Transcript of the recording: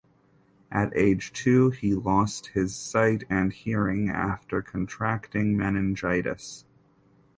At age two he lost his sight and hearing after contracting meningitis.